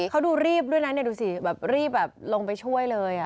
เขาดูรีบด้วยนะดูสิแบบรีบแบบลงไปช่วยเลย